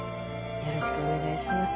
よろしくお願いします。